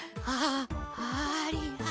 ああり。